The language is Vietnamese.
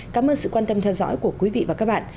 cảm ơn sự quan tâm theo dõi của quý vị và các bạn